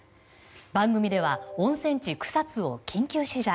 番組では温泉地・草津を緊急取材。